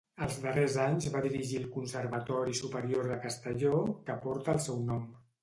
Els darrers anys va dirigir el Conservatori Superior de Castelló que porta el seu nom.